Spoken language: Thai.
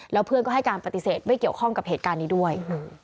แล้วเพื่อนก็ให้การปฏิเสธไม่เกี่ยวข้องกับเหตุการณ์นี้ด้วย